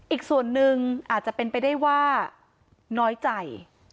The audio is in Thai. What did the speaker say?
อีกส่วนหนึ่งอาจจะเป็นไปได้ว่าน้อยใจ